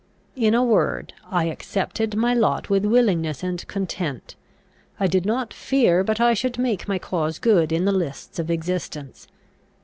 In a word, I accepted my lot with willingness and content; I did not fear but I should make my cause good in the lists of existence.